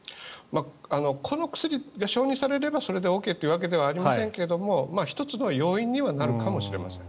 この薬が承認されればそれでＯＫというわけではありませんが１つの要因にはなるかもしれません。